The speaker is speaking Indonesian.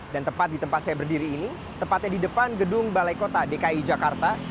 dan tepat di tempat saya berdiri ini tepatnya di depan gedung balai kota dki jakarta